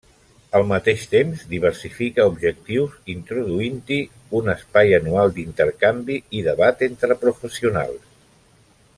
Al mateix temps, diversifica objectius introduint-hi un espai anual d'intercanvi i debat entre professionals.